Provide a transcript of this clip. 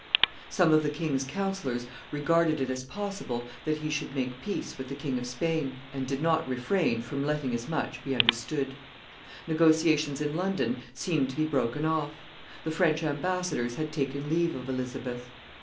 Some of the king's councillors regarded it as possible that he should make peace with the King of Spain, and did not refrain from letting as much be understood. Negotiations in London seemed to be broken off; the French ambassadors had taken leave of Elizabeth.